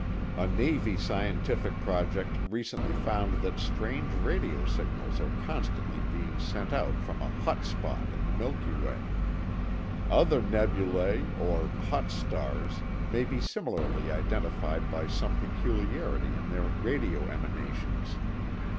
A Navy scientific project recently found that strange radio signals are constantly being sent out from a "hot spot" in the Milky Way; other nebulae or "hot" stars may be similarly identified by some peculiarity in their radio emanations.